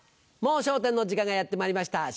『もう笑点』の時間がやってまいりました。